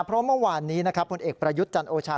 เพราะเมื่อวานนี้ผู้นำเอกประยุทธ์จันทร์โอชา